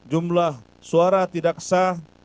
jumlah suara tidak sah